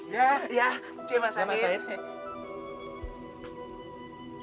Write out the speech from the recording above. ya ya cik mas amin